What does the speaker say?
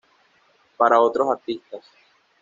Para otros artistas.